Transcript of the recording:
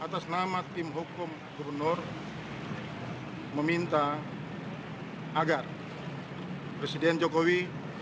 tim hukum gubernur meminta agar presiden jokowi